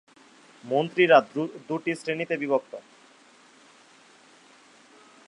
মন্ত্রীরা দুটি শ্রেণিতে বিভক্ত।